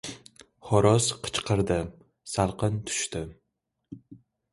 Xo‘roz qichqirdi. Salqin tushdi.